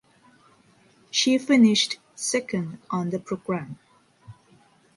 She finished second on the programme.